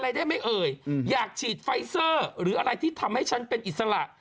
ได้ไหมเอ่ยอยากฉีดไฟเซอร์หรืออะไรที่ทำให้ฉันเป็นอิสระ